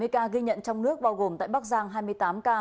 hai mươi ca ghi nhận trong nước bao gồm tại bắc giang hai mươi tám ca